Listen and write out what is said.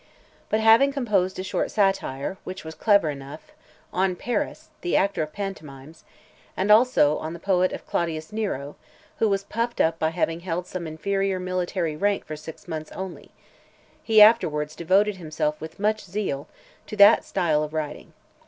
But having composed a short satire , which was clever enough, on Paris , the actor of pantomimes, (537) and also on the poet of Claudius Nero, who was puffed up by having held some inferior military rank for six months only; he afterwards devoted himself with much zeal to that style of writing.